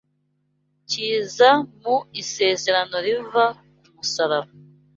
kiza mu isezerano riva kumusaraba